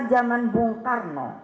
zaman bung karno